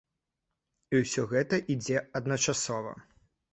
І ўсё гэта ідзе адначасова.